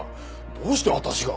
どうして私が？